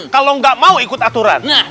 kalo gak mau ikut aturan